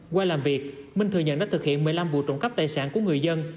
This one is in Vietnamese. qua làm việc minh thừa nhận đã thực hiện một mươi năm vụ trộm cắp tài sản của người dân